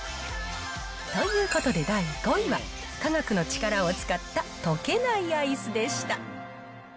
ということで、第５位は科学の力を使った溶けないアイスでした。